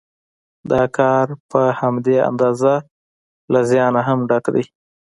دا کار پر همدې اندازه له زیانه هم ډک دی